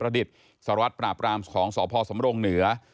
ประดิษฐ์สรวจปราบปรามของสพสมรองเหนือ